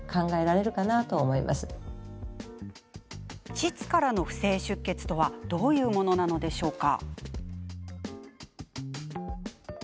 ちつからの不正出血とはどういうものなのでしょうか？